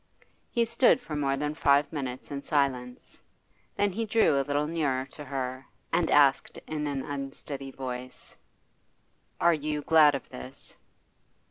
He stood for more than five minutes in silence. Then he drew a little nearer to her, and asked in an unsteady voice: 'Are you glad of this?